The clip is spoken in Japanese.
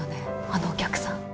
あのお客さん。